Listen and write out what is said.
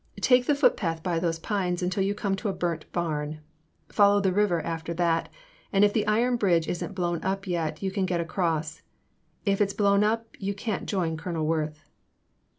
*''* Take the foot path by those pines until you come to a burnt barn. Follow the river after that and if the iron bridge is n't blown up yet you can get across; if it is blown up you can't join Colonel Worth.